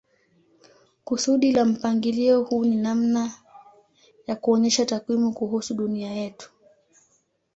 Kusudi la mpangilio huu ni namna ya kuonyesha takwimu kuhusu dunia yetu.